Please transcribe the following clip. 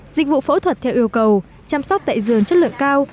dịch vụ phẫu thuật theo yêu cầu chăm sóc tại giường chất lượng cao